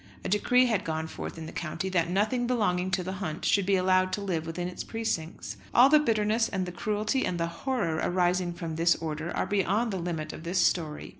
A decree had gone forth in the county, that nothing belonging to the hunt should be allowed to live within its precincts. All the bitterness and the cruelty and the horror arising from this order are beyond the limit of this story.